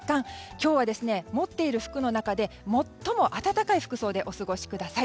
今日は持っている服の中でもっとも暖かい服装でお過ごしください。